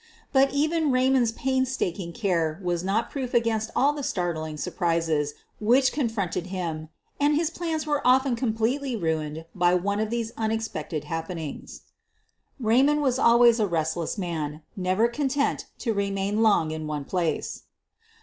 But even Raymond's painstaking care was not proof against all the startling surprises which con fronted him and his plans were often completely ruined by one of these unexpected happenings. Raymond was always a restless man — never con tent to remain long in one place.